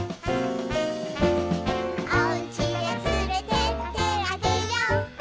「おうちへつれてってあげよ」